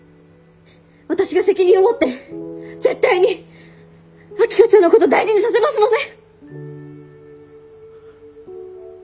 私が責任を持って絶対に秋香ちゃんのこと大事にさせますので。